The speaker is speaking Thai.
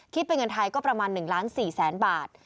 คิดเป็นเงินไทยก็ประมาณ๑๔๐๐๐๐๐บาท